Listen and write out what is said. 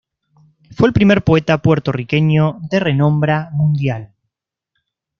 Fue el primer poeta puertorriqueño de renombra mundial.